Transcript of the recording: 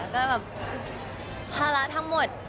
ก็แบบภาระทั้งหมด